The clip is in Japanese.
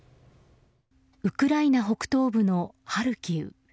ウクライナ北東部のハルキウ。